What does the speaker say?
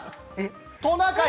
トナカイ！